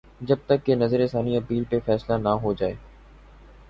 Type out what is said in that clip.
جب تک کہ نظر ثانی اپیل پہ فیصلہ نہ ہوجائے۔